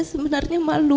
saya sebenarnya malu